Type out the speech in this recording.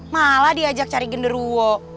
malah diajak cari gondoruo